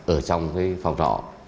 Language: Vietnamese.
ở trong cái phòng rõ